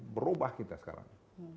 berubah kita sekarang